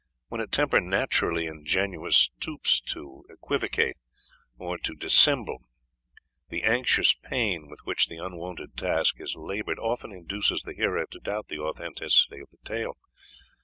When a temper naturally ingenuous stoops to equivocate, or to dissemble, the anxious pain with which the unwonted task is laboured, often induces the hearer to doubt the authenticity of the tale.